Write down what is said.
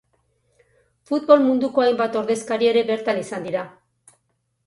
Futbol munduko hainbat ordezkari ere bertan izan dira.